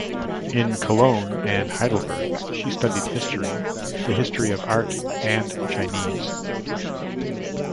In Cologne and Heidelberg she studied history, the history of art and Chinese.